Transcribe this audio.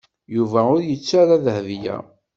Yuba ur yettu ara Dahbiya.